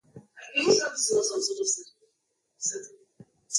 Mombasa ni mji mkuu wa Kenya